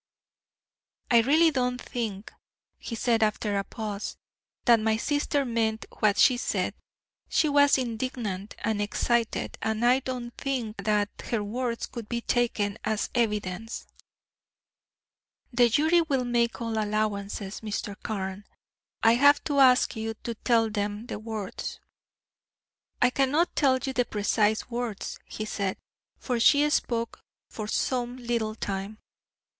"I really don't think," he said after a pause, "that my sister meant what she said. She was indignant and excited, and I don't think that her words could be taken as evidence." "The jury will make all allowances, Mr. Carne. I have to ask you to tell them the words." "I cannot tell you the precise words," he said, "for she spoke for some little time.